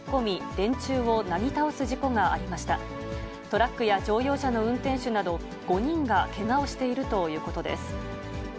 トラックや乗用車の運転手など、５人がけがをしているということです。